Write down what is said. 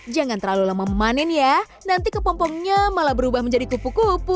jangan terlalu lama memanen ya nanti kepompongnya malah berubah menjadi kupu kupu